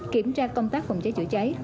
kiểm tra công tác phòng cháy chữa cháy